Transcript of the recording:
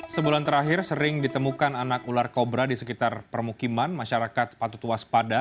sebulan terakhir sering ditemukan anak ular kobra di sekitar permukiman masyarakat patut waspada